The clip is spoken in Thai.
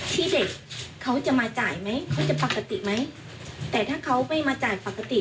ที่เด็กเขาจะมาจ่ายไหมเขาจะปกติไหมแต่ถ้าเขาไม่มาจ่ายปกติ